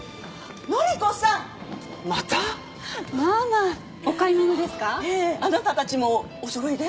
あなたたちもおそろいで？